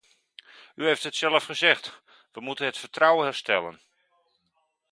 U heeft het zelf gezegd: we moeten het vertrouwen herstellen.